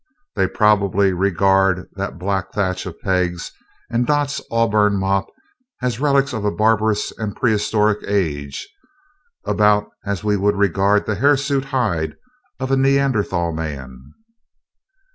They probably regard that black thatch of Peg's and Dot's auburn mop as relics of a barbarous and prehistoric age about as we would regard the hirsute hide of a Neanderthal man."